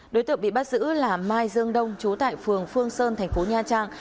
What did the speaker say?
đối tượng bị bắt giữ là mai dương đông chú tại phường phương sơn tp nha trang